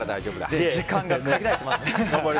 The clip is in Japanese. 時間が限られています。